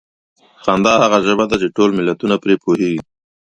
خندا هغه ژبه ده چې ټول ملتونه پرې پوهېږي.